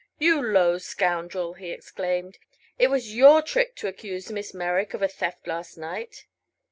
"You low scoundrel!" he exclaimed. "It was your trick to accuse Miss Merrick of a theft last night."